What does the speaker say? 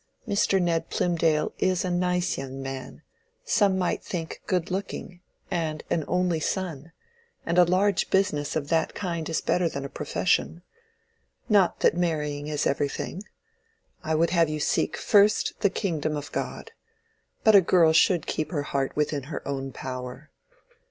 Mr. Ned Plymdale is a nice young man—some might think good looking; and an only son; and a large business of that kind is better than a profession. Not that marrying is everything. I would have you seek first the kingdom of God. But a girl should keep her heart within her own power."